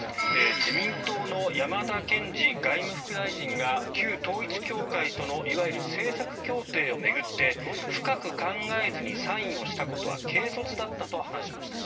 自民党の山田賢司外務副大臣が旧統一教会とのいわゆる政策協定を巡って深く考えずにサインしたことは軽率だったと話しました。